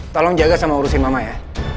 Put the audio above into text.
tolong jaga sama urusin mama ya